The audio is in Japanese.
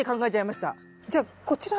じゃあこちら。